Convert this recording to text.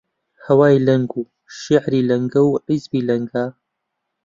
هەوای لەنگ و شیعری لەنگە و حیزبی لەنگە: